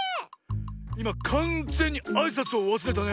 いまかんぜんにあいさつをわすれたね。